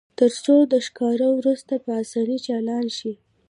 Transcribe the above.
ترڅو د ښکار وروسته په اسانۍ چالان شي